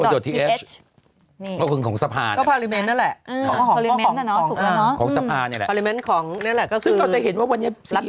ก็คือของสะพานน่ะนะครับของสะพานนี่แหละซึ่งก็จะเห็นว่าวันนี้